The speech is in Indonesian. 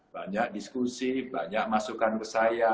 banyak diskusi banyak masukan ke saya